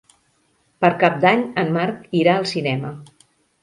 Per Cap d'Any en Marc irà al cinema.